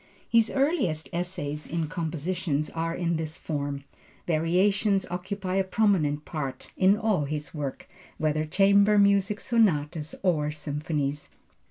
His earliest essays in composition are in this form. Variations occupy a prominent part in all his works, whether chamber music, sonatas or symphonies.